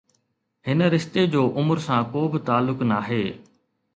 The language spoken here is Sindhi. هن رشتي جو عمر سان ڪو به تعلق ناهي.